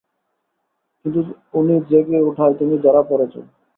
কিন্তু, উনি জেগে উঠায় তুমি ধরা পড়ে যাও!